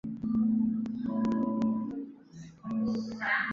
九把刀作品方文山作品陈奕先作品黄子佼作品